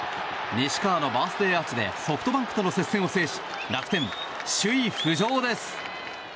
西川のバースデーアーチでソフトバンクとの接戦を制し楽天、首位浮上です。